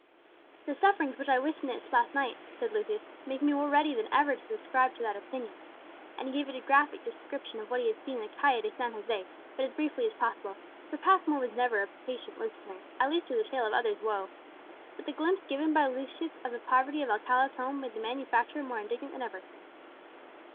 "The sufferings which I witnessed last night," said Lucius, "make me more ready than ever to subscribe to that opinion;" and he gave a graphic description of what he had seen in the Calle de San José, but as briefly as possible, for Passmore was never a patient listener, at least to the tale of other's woe. But the glimpse given by Lucius of the poverty of Alcala's home made the manufacturer more indignant than ever.